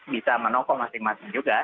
bisa menokong masing masing juga